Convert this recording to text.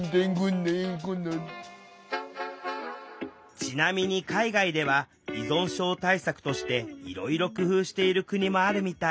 ちなみに海外では依存症対策としていろいろ工夫している国もあるみたい。